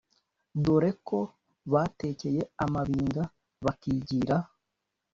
Dore ko batekeye amabinga bakigira